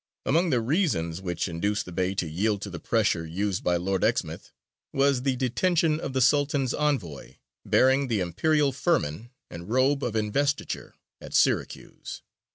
Among the reasons which induced the Bey to yield to the pressure used by Lord Exmouth was the detention of the Sultan's envoy, bearing the imperial firman and robe of investiture, at Syracuse.